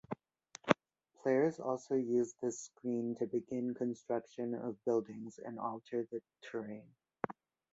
Players also use this screen to begin construction of buildings and alter the terrain.